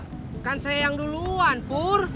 bukan saya yang duluan pur